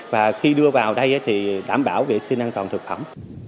và khi đưa vào đây thì đảm bảo vệ sinh an toàn thực phẩm